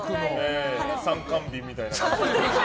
参観日みたいな感じで。